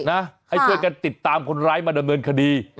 ให้ช่วยกันติดตามคนร้ายมาดำเนินคดี